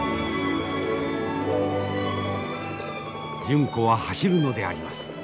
純子は走るのであります。